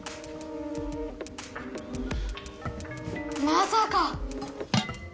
まさか！